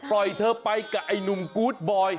ปล่อยเธอไปกับไอ้หนุ่มกื๊ดบ่อย